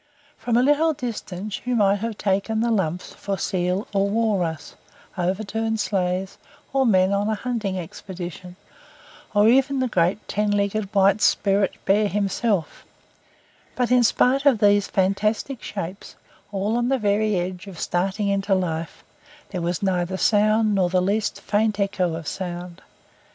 From a little distance you might have taken the lumps for seal or walrus, overturned sleighs or men on a hunting expedition, or even the great Ten legged White Spirit Bear himself; but in spite of these fantastic shapes, all on the very edge of starting into life, there was neither sound nor the least faint echo of sound.